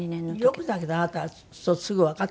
よくだけどあなたすぐわかったわね。